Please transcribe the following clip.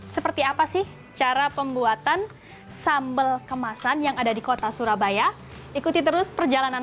seperti apa sih cara pembuatan sambal kemasan yang ada di kota surabaya ikuti terus perjalanan